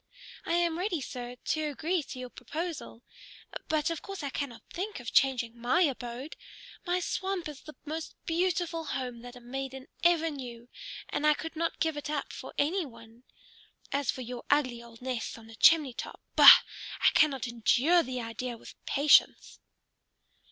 I am ready, sir, to agree to your proposal. But of course I cannot think of changing my abode. My swamp is the most beautiful home that a maiden ever knew, and I could not give it up for any one. As for your ugly old nest on the chimney top, bah! I cannot endure the idea with patience."